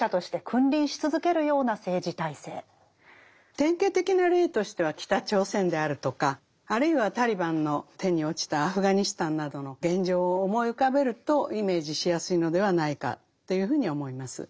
典型的な例としては北朝鮮であるとかあるいはタリバンの手に落ちたアフガニスタンなどの現状を思い浮かべるとイメージしやすいのではないかというふうに思います。